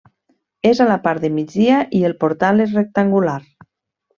És a la part de migdia i el portal és rectangular.